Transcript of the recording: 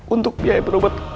untuk biaya berobat